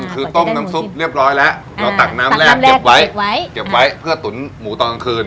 คือต้มน้ำซุปเรียบร้อยแล้วเราตักน้ำแรกเก็บไว้เก็บไว้เก็บไว้เพื่อตุ๋นหมูตอนกลางคืน